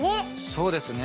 そうですね。